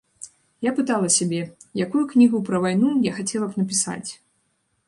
Я пытала сябе, якую кнігу пра вайну я хацела б напісаць.